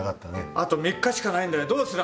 あと３日しかないんだよどうする？